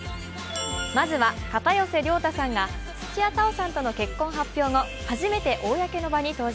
まずは、片寄涼太さんが土屋太鳳さんとの結婚発表後、初めて公の場に登場。